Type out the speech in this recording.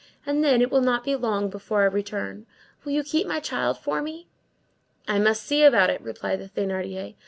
And then, it will not be long before I return. Will you keep my child for me?" "I must see about it," replied the Thénardier.